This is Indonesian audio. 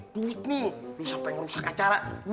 duit nih sampai ngerusak acara